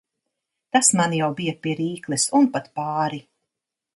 Tas man jau bija pie rīkles un pat pāri.